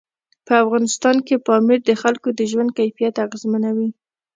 په افغانستان کې پامیر د خلکو د ژوند کیفیت اغېزمنوي.